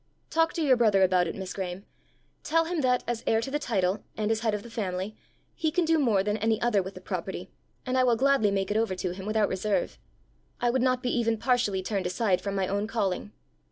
Talk to your brother about it, Miss Graeme. Tell him that, as heir to the title, and as head of the family, he can do more than any other with the property, and I will gladly make it over to him without reserve. I would not be even partially turned aside from my own calling."